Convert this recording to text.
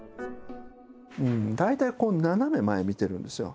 大体斜め前見てるんですよ。